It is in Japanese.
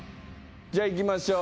じゃあいきましょう